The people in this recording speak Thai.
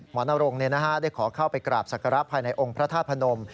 นรงได้ขอเข้าไปกราบศักระภายในองค์พระธาตุพนม